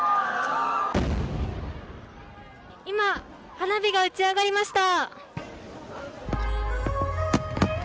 今、花火が打ち上がりました。